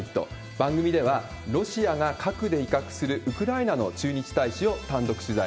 番組では、ロシアが核で威嚇するウクライナの駐日大使を単独取材。